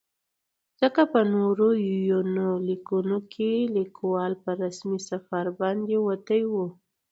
ځکه په نورو يونليکونو کې ليکوال په رسمي سفر باندې وتى و.